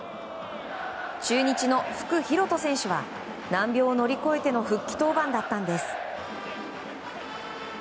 中日の福敬登投手は難病を乗り越えての復帰登板だったんです。